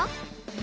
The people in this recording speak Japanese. え？